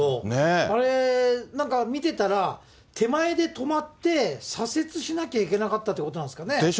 あれ、なんか見てたら、手前で止まって、左折しなきゃいけなかったってことなんですかね。